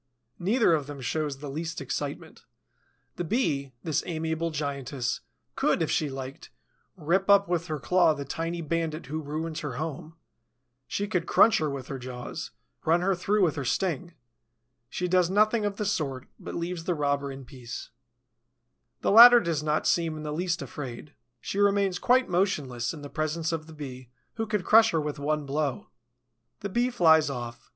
Neither of them shows the least excitement. The Bee, this amiable giantess, could, if she liked, rip up with her claw the tiny bandit who ruins her home; she could crunch her with her jaws, run her through with her sting. She does nothing of the sort, but leaves the robber in peace. The latter does not seem in the least afraid. She remains quite motionless in the presence of the Bee who could crush her with one blow. The Bee flies off.